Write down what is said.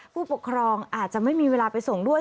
ผู้ปกครองอาจจะไม่มีเวลาไปส่งด้วย